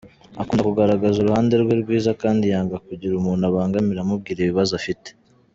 Akunda kugaragaza uruhande rwe rwiza kandi yanga kugira umuntu abangamira amubwira ibibazo afite.